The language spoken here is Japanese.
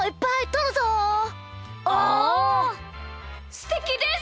すてきですね！